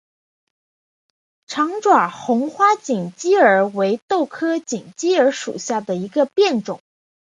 长爪红花锦鸡儿为豆科锦鸡儿属下的一个变种。